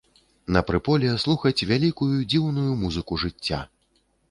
На прыполе слухаць вялікую, дзіўную музыку жыцця.